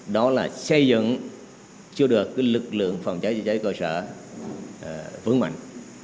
đó là xây dựng cho được cái lực lượng phòng cháy chữa cháy cơ sở vững mạnh